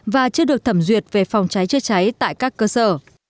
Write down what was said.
và chưa được thẩm duyệt về phòng cháy chữa cháy tại các cơ sở